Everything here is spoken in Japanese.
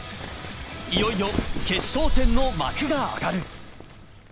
いよいよ決勝戦の幕が上がる。